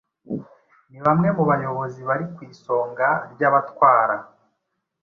ni bamwe mu bayobozi bari ku isonga ry’amatwara